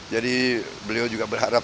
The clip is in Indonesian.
jadi beliau juga berharap